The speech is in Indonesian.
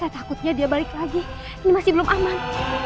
takutnya dia balik lagi ini masih belum aman